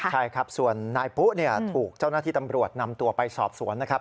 ใช่ครับส่วนนายปุ๊ถูกเจ้าหน้าที่ตำรวจนำตัวไปสอบสวนนะครับ